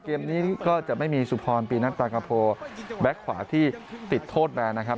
เกมนี้ก็จะไม่มีสุพรปีนัทปรากะโพแบ็คขวาที่ติดโทษมานะครับ